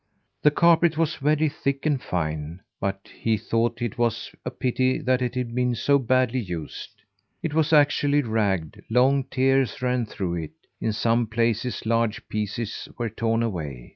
The carpet was very thick and fine, but he thought it was a pity that it had been so badly used. It was actually ragged; long tears ran through it; in some places large pieces were torn away.